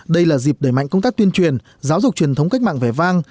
đây là dịp đẩy mạnh công tác tuyên truyền giáo dục truyền thống cách mạng vẻ vang